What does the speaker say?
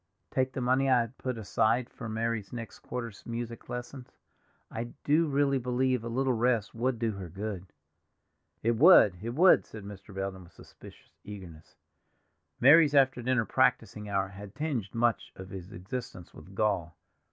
"Take the money I had put aside for Mary's next quarter's music lessons; I do really believe a little rest would do her good." "It would—it would," said Mr. Belden with suspicious eagerness. Mary's after dinner practicing hour had tinged much of his existence with gall.